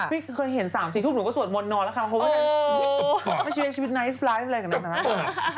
พี่เคยเห็น๓๔ทุกหนูก็สวดมนต์นอนแล้วเขาก็ว่าไม่ใช่ชีวิตไนท์สไลด์อะไรแบบนั้นนะ